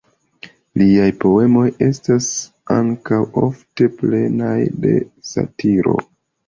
Liaj poemoj estas ankaŭ ofte plenaj de satiro.